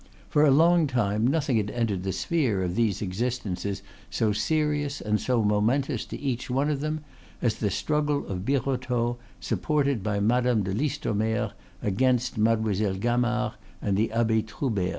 For a long time nothing had entered the sphere of these existences so serious and so momentous to each one of them as the struggle of Birotteau, supported by Madame de Listomere, against Mademoiselle Gamard and the Abbe Troubert.